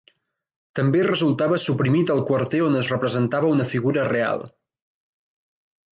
També resultava suprimit el quarter on es representava una figura real.